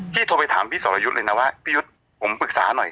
โทรไปถามพี่สรยุทธ์เลยนะว่าพี่ยุทธ์ผมปรึกษาหน่อย